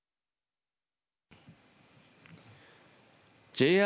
ＪＲ